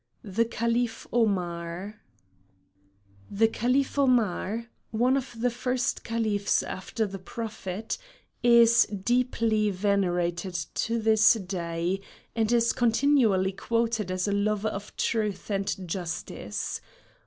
THE CALIF OMAR The Calif Omar, one of the first Califs after the Prophet, is deeply venerated to this day, and is continually quoted as a lover of truth and justice.